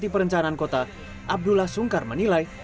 di perencanaan kota abdullah sungkar menilai